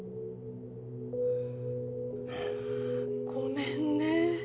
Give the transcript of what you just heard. ごめんね。